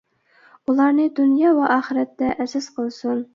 ئۇلارنى دۇنيا ۋە ئاخىرەتتە ئەزىز قىلسۇن!